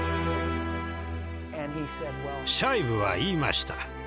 シャイブは言いました。